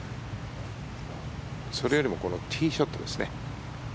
それよりもこのティーショットですね。